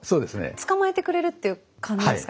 捕まえてくれるっていう感じですか？